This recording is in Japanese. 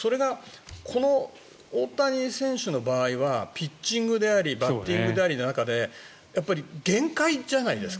この大谷選手の場合はピッチングでありバッティングでありの中で限界じゃないですか。